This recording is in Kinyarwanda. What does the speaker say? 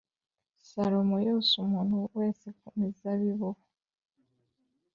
Salomo yose umuntu wese ku muzabibu we